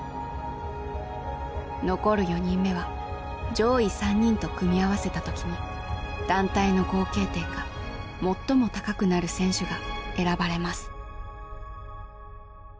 残る４人目は上位３人と組み合わせた時に団体の合計点が最も高くなる選手が選ばれます。